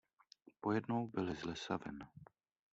Pojednou byli z lesa ven.